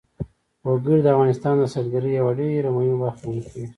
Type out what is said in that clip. وګړي د افغانستان د سیلګرۍ یوه ډېره مهمه برخه ګڼل کېږي.